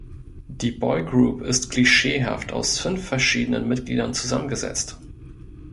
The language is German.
Die Boygroup ist klischeehaft aus fünf verschiedenen Mitgliedern zusammengesetzt.